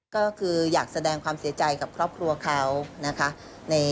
ก็คืออยากแสดงความเสียใจกับครอบครัวเขานะคะ